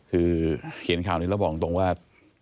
คือเขียนข่าวนี้แล้วบอกตรงว่า